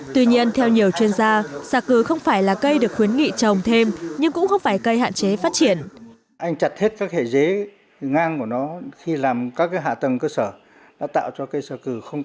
tuy nhiên theo nhiều chuyên gia xà cừ không phải là cây được khuyến nghị trồng thêm nhưng cũng không phải cây hạn chế phát triển